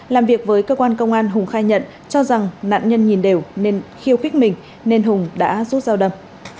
làm việc với cơ quan công an hùng khai nhận cho rằng nạn nhân nhìn đều nên khiêu khích mình nên hùng đã rút dao đâm